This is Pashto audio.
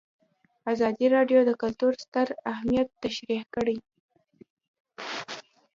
ازادي راډیو د کلتور ستر اهميت تشریح کړی.